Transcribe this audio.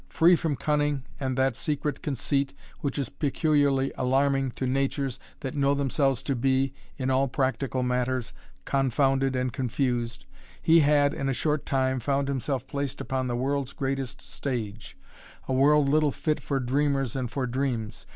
Free from cunning and that secret conceit which is peculiarly alarming to natures that know themselves to be, in all practical matters, confounded and confused, he had, in a short time, found himself placed upon the world's greatest stage, a world little fit for dreamers and for dreams.